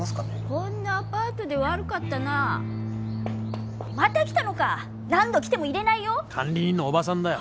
こんなアパートで悪かったなまた来たのか何度来ても入れない管理人のおばさんだよ